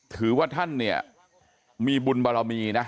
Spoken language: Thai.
ถือว่าท่านเนี่ยมีบุญบารมีนะ